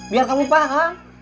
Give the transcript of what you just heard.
biar kamu paham